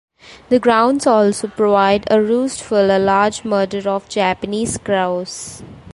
The grounds also provide a roost for a large murder of Japanese crows.